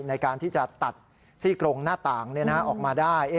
ในการที่จะตัดซี่กรงหน้าต่างออกมาได้